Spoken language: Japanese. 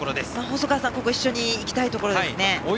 細川さんは一緒に行きたいところですね。